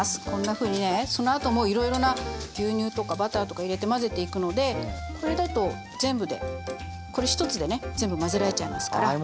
こんなふうにねそのあともういろいろな牛乳とかバターとか入れて混ぜていくのでこれだと全部でこれ１つでね全部混ぜられちゃいますから。